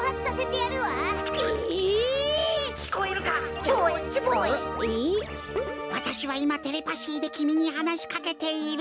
わたしはいまテレパシーできみにはなしかけている。